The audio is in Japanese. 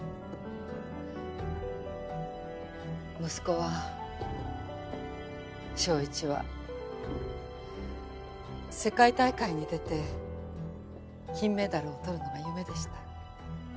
息子は翔一は世界大会に出て金メダルをとるのが夢でした。